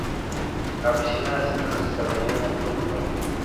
La oficina central se estableció en Lucknow.